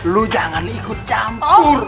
lo jangan ikut campur